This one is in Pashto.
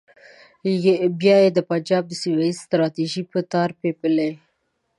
بیا یې د پنجاب د سیمه ییزې ستراتیژۍ په تار پېیلې.